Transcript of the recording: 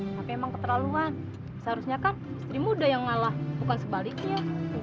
sampai jumpa di video selanjutnya